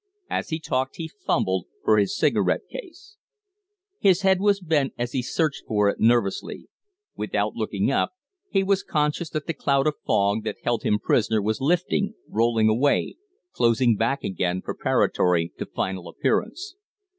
As he talked he fumbled; for his cigarette case. His bead was bent as he searched for it nervously. Without looking up, he was conscious that the cloud of fog that held him prisoner was lifting, rolling away, closing back again, preparatory to final disappearance.